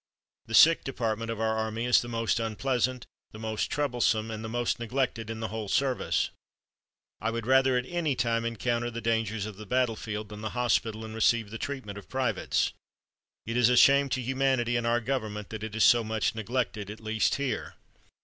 The sick department of our army is the most unpleasant, the most troublesome, and the most neglected in the whole service. I would rather at any time encounter the dangers of the battlefield than the hospital and receive the treatment of privates. It is a shame to humanity and our Government that it is so much neglected, at least here."